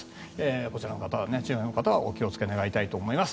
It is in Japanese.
こちらの方はお気をつけ願いたいと思います。